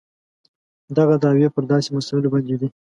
دغه دعوې پر داسې مسایلو باندې دي.